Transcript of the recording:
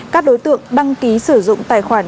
các đối tượng đăng ký sử dụng tài khoản